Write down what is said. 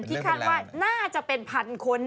คาดว่าน่าจะเป็นพันคน